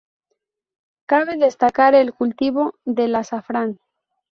Cabe destacar el cultivo del azafrán.